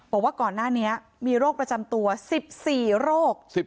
บอกว่าก่อนหน้านี้มีโรคประจำตัว๑๔โรค